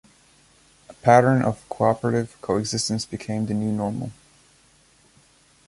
A pattern of cooperative coexistence became the new normal.